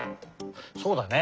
そうだね。